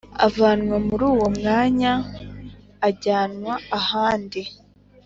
avanwa muri uwo mwanya ajyanwa ahandi